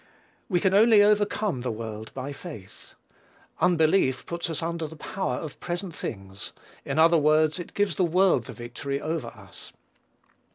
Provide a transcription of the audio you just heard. We can only overcome the world by faith. Unbelief puts us under the power of present things; in other words, it gives the world the victory over us.